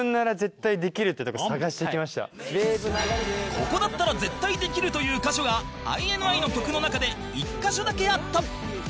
ここだったら絶対できるという箇所が ＩＮＩ の曲の中で１カ所だけあった